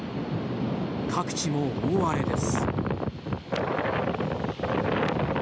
各地も大荒れです。